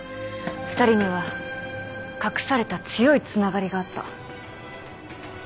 ２人には隠された強いつながりがあった。